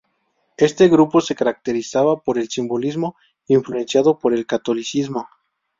Este grupo se caracterizaba por el simbolismo, influenciado por el catolicismo.